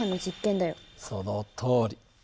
そのとおり。